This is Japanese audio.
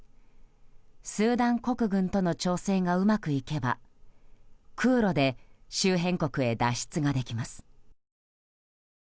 スーダン国軍との調整がうまくいけば空路で周辺国へ脱出ができます。